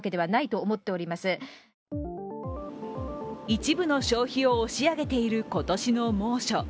一部の消費を押し上げている今年の猛暑。